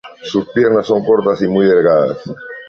Sus piernas son cortas y muy delgadas.